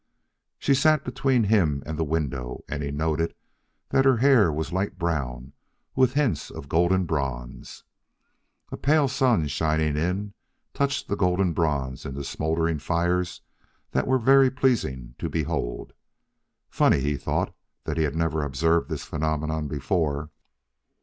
She sat between him and the window, and he noted that her hair was light brown, with hints of golden bronze. A pale sun, shining in, touched the golden bronze into smouldering fires that were very pleasing to behold. Funny, he thought, that he had never observed this phenomenon before.